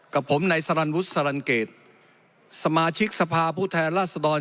กับผมในสรรวุษรรรณเกตสมาชิกสภาผู้แทนล่าสดร